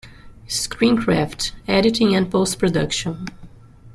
Screencraft: Editing and Post-Production.